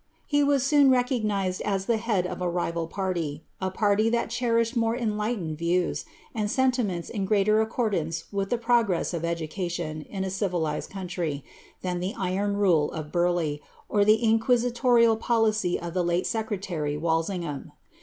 He was soon recognised lithe head of a rival party, — a party that cherished more enlightened vievs, and sentiments in greater accordance with the progress of educa tion in a civilized country, than the iron rule of Burleigh, or the inqui liiorial policy of the late secretary, Walsingham.